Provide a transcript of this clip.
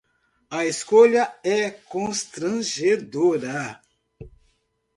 A escolha é constrangedora.